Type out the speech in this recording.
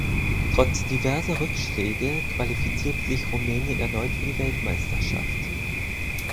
Trotz diverser Rückschläge qualifizierte sich Rumänien erneut für die Weltmeisterschaft.